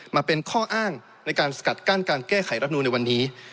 มาเป็นข้ออ้างในการสกัดกั้นการแก้ไขรับนูลในวันนี้